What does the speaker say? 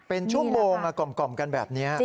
เป็นชั่วโมงกล่อมกันแบบนี้